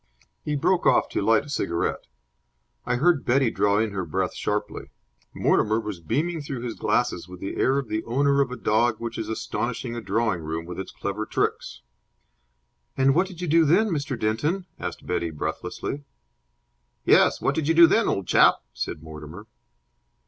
He broke off to light a cigarette. I heard Betty draw in her breath sharply. Mortimer was beaming through his glasses with the air of the owner of a dog which is astonishing a drawing room with its clever tricks. "And what did you do then, Mr. Denton?" asked Betty, breathlessly. "Yes, what did you do then, old chap?" said Mortimer.